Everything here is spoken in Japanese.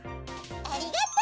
ありがとう！